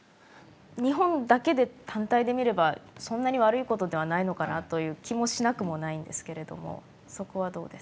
日本だけで単体で見ればそんなに悪いことではないのかなという気もしなくもないんですけれどもそこはどうですか？